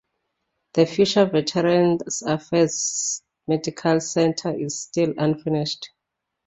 The future Veterans Affairs Medical Center is still unfinished.